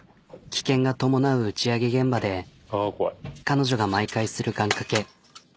危険が伴う打ち上げ現場で彼女が毎回する願かけ。